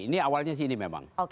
ini awalnya sini memang